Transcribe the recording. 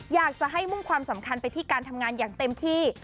อยากจะให้มุ่งความสำคัญไปที่การทำงานอย่างเต็มที่